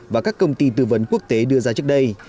và các công ty tư vấn quốc tế đưa ra trước đây